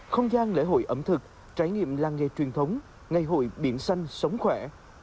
không gian lễ hội ẩm thực trải nghiệm làng nghề truyền thống ngày hội biển xanh sống khỏe